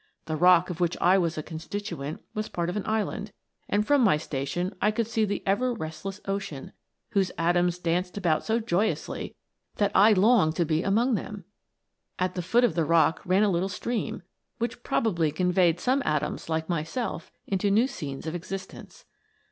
The rock of which I was a constituent, was part of an island, and from my station I could see the ever * Limestone, or Carbonate of Lime. THE LIFE OF AN ATOM. 55 restless ocean, whose atoms danced about so joyously that I longed to be among them. At the foot of the rock ran a little stream, which probably con veyed some atoms like myself into new scenes of existence.